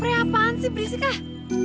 frey apaan sih berisikah